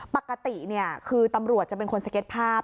ปกติคือตำรวจจะเป็นคนสเก็ตภาพ